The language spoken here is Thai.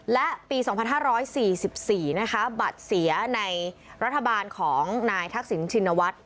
และปีสองพันห้าร้อยสี่สิบสี่นะคะบัตรเสียในรัฐบาลของนายทักษิณชินวัตร